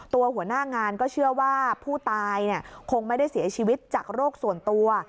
หัวหน้างานก็เชื่อว่าผู้ตายคงไม่ได้เสียชีวิตจากโรคส่วนตัว